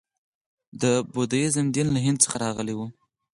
د بودیزم دین له هند څخه راغلی و